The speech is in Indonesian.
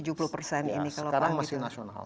sekarang masih nasional